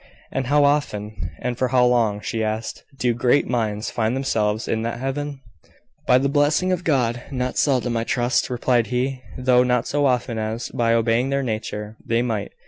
"And how often, and for how long," she asked, "do great minds find themselves in that heaven?" "By the blessing of God, not seldom, I trust," replied he; "though not so often as, by obeying their nature, they might.